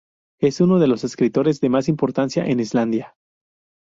Es uno de los escritores de más importancia en Islandia.